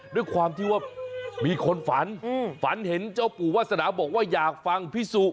ด้วยความที่ว่ามีคนฝันฝันเห็นเจ้าปู่วาสนาบอกว่าอยากฟังพี่สุ